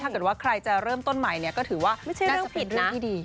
ถ้าเกิดว่าใครจะเริ่มต้นใหม่เนี่ยก็ถือว่าไม่ใช่เรื่องผิดนะ